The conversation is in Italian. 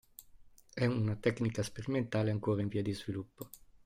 È una tecnica sperimentale ancora in via di sviluppo.